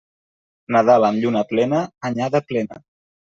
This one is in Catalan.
Nadal amb lluna plena, anyada plena.